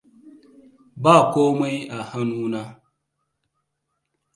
Ba komai a hannuna.